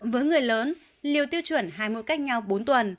với người lớn liều tiêu chuẩn hai mỗi cách nhau bốn tuần